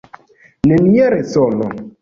Nenia resono.